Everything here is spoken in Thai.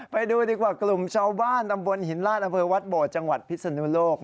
ไปดูดีกว่ากลุ่มชาวบ้านตำบลหินราชอำเภอวัดโบดจังหวัดพิศนุโลก